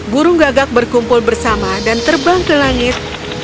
burung gagak berkumpul bersama dan terbang ke langit